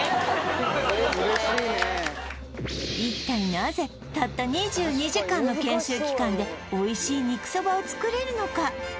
なぜたった２２時間の研修期間でおいしい肉そばを作れるのか？